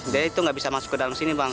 jadi itu nggak bisa masuk ke dalam sini bang